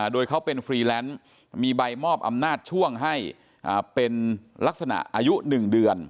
โดยเขาเป็นฟรีแลนซ์มีใบมอบอำนาจช่วงให้เป็นลักษณะอายุ๑เดือน